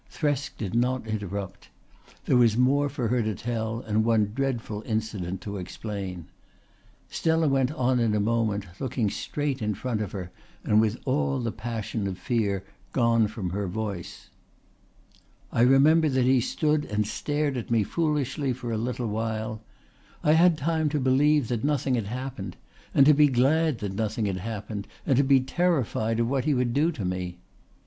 Thresk did not interrupt. There was more for her to tell and one dreadful incident to explain. Stella went on in a moment, looking straight in front of her and with all the passion of fear gone from her voice. "I remember that he stood and stared at me foolishly for a little while. I had time to believe that nothing had happened, and to be glad that nothing had happened and to be terrified of what he would do to me.